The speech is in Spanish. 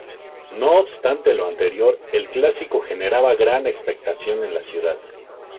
No obstante lo anterior, el clásico generaba gran expectación en la ciudad.